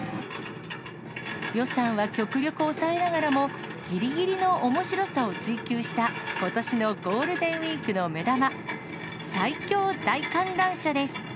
予算は極力抑えながらも、ぎりぎりのおもしろさを追求したことしのゴールデンウィークの目玉、最恐大観覧車です。